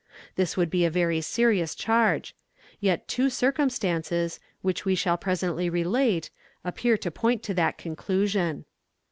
This would be a very serious charge. Yet two circumstances, which we shall presently relate, appear to point to that conclusion.